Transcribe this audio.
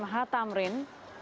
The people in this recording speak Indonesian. di depan m h tamrin